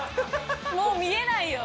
もう見えないよ。